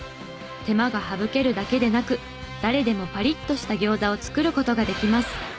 手間が省けるだけでなく誰でもパリッとしたギョーザを作る事ができます。